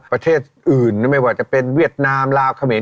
ประเทศอื่นไม่ว่าจะเป็นเวียดนามลาวเขมร